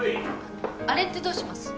あれってどうします？